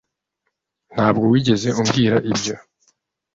Ntabwo wigeze umbwira ibyo